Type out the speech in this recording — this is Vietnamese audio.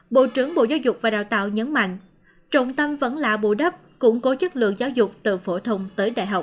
bộ trưởng bộ giáo dục và đào tạo nhấn mạnh trọng tâm vẫn là bù đắp củng cố chất lượng giáo dục từ phổ thông tới đại học